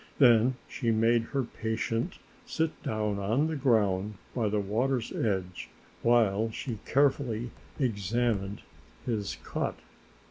Then she made her patient sit down on the ground by the water's edge while she carefully examined his cut.